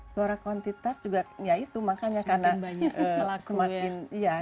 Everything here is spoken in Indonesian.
secara kuantitas ya itu makanya karena semakin banyak pelaku